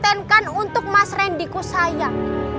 tentenkan untuk mas rendiko sayang